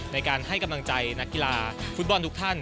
ในการให้กำลังใจนักกีฬาฟุตบอลทุกท่าน